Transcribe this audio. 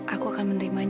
aku akan menerima itu